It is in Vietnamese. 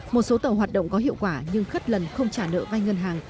một số tàu hoạt động có hiệu quả nhưng khất lần không trả nợ vai ngân hàng